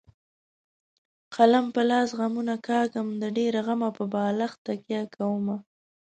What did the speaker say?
قلم په لاس غمونه کاږم د ډېره غمه په بالښت تکیه کومه.